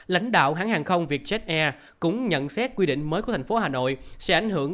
lãnh đạo hãng hàng không vietjet air cũng nhận xét quy định mới của thành phố hà nội sẽ ảnh hưởng